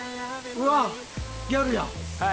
うわっギャルや。